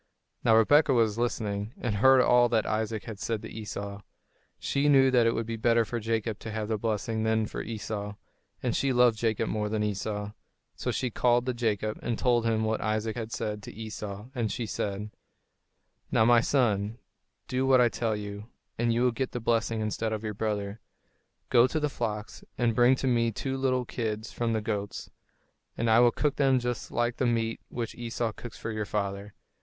Now Rebekah was listening, and heard all that Isaac had said to Esau. She knew that it would be better for Jacob to have the blessing than for Esau; and she loved Jacob more than Esau. So she called to Jacob and told him what Isaac had said to Esau, and she said: "Now, my son, do what I tell you, and you will get the blessing instead of your brother. Go to the flocks and bring to me two little kids from the goats, and I will cook them just like the meat which Esau cooks for your father.